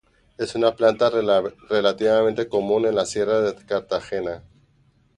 Es una planta relativamente común en las sierras de Cartagena.